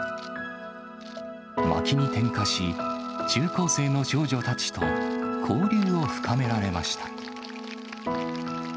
まきに点火し、中高生の少女たちと交流を深められました。